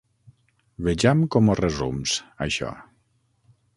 Vejam com ho resums, això.